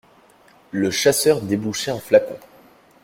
Le chasseur débouchait un flacon.